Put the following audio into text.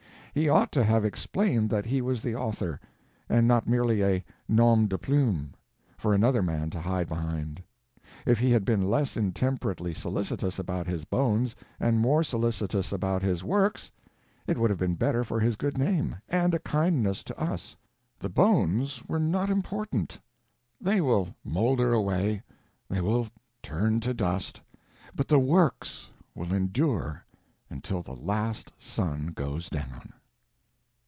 He ought to have explained that he was the author, and not merely a nom de plume for another man to hide behind. If he had been less intemperately solicitous about his bones, and more solicitous about his Works, it would have been better for his good name, and a kindness to us. The bones were not important. They will moulder away, they will turn to dust, but the Works will endure until the last sun goes down.